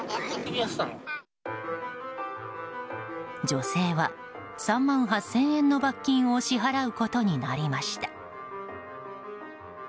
女性は３万８０００円の罰金を支払うことになりました。